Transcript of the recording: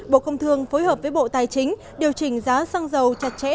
bộ công thương phối hợp với bộ tài chính điều chỉnh giá xăng dầu chặt chẽ